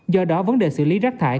do đó vấn đề xử lý rác thải